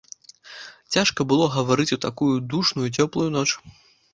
Цяжка было гаварыць у такую душную, цёплую ноч.